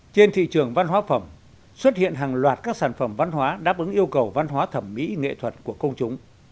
trên thị trường văn hóa phẩm xuất hiện hàng loạt các sản phẩm văn hóa đáp ứng yêu cầu văn hóa thẩm mỹ nghệ thuật của công chúng